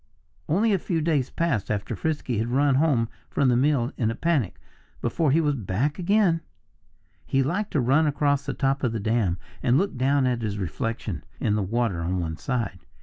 Only a few days passed after Frisky had run home from the mill in a panic, before he was back again. He liked to run across the top of the dam and look down at his reflection in the water on one side.